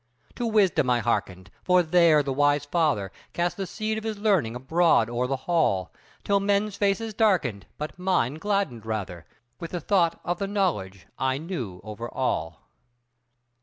To wisdom I hearkened; for there the wise father Cast the seed of his learning abroad o'er the hall, Till men's faces darkened, but mine gladdened rather With the thought of the knowledge I knew over all.